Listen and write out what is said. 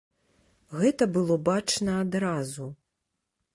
Гэта было бачна адразу.